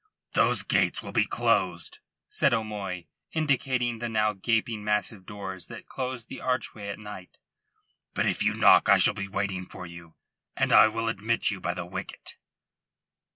"Those gates will be closed," said O'Moy, indicating the now gaping massive doors that closed the archway at night. "But if you knock I shall be waiting for you, and I will admit you by the wicket."